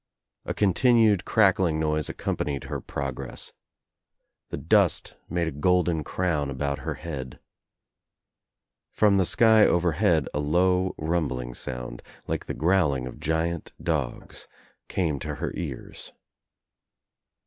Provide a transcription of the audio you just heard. A continued crackling noise accompanied »her progress. The dust made a golden crown about berhead. From the sky overhead a low rumbling sound, like the growling of giant dogs, came to her ears.